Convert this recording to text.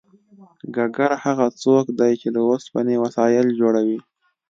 ګګر هغه څوک دی چې له اوسپنې وسایل جوړوي